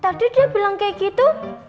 tadi dia bilang kayak gitu